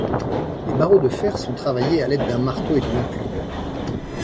Les barreaux de fer sont travaillés à l'aide d'un marteau et d'une enclume.